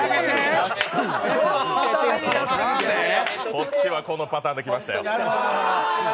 そっちはこのパターンで来ましたよ。